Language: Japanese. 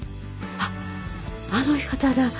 「あっあの方だ。